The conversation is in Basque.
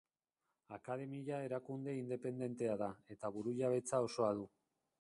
Akademia erakunde independentea da eta burujabetza osoa du.